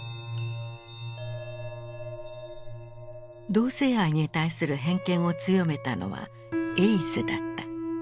同性愛に対する偏見を強めたのは「エイズ」だった。